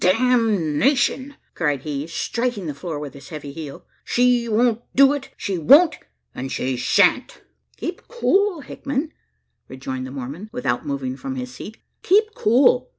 "Damnation!" cried he, striking the floor with his heavy heel, "she won't do it she won't, and she shan't!" "Keep cool, Hickman Holt!" rejoined the Mormon, without moving from his seat "keep cool!